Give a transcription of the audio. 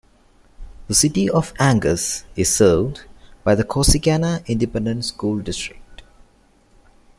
The City of Angus is served by the Corsicana Independent School District.